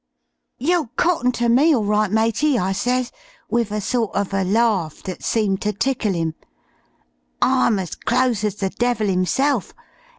'You'll cotton ter me all right, matey,' I ses, with a sort uv a larf that seemed ter tickle 'im. 'I'm as close as the devil 'imself.